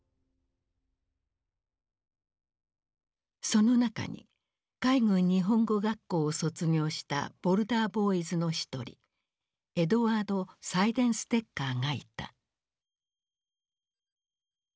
その中に海軍日本語学校を卒業したボルダー・ボーイズの一人エドワード・サイデンステッカーがいた。